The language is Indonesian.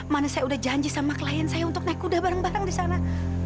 mana saya udah janji sama klien saya untuk naik kuda bareng bareng di sana